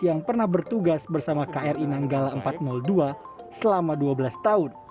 yang pernah bertugas bersama kri nanggala empat ratus dua selama dua belas tahun